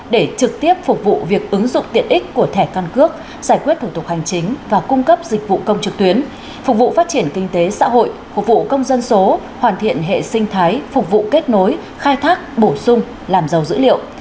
để trực tiếp phục vụ việc ứng dụng tiện ích của thẻ căn cước giải quyết thủ tục hành chính và cung cấp dịch vụ công trực tuyến phục vụ phát triển kinh tế xã hội phục vụ công dân số hoàn thiện hệ sinh thái phục vụ kết nối khai thác bổ sung làm giàu dữ liệu